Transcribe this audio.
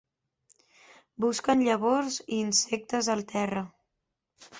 Busquen llavors i insectes al terra.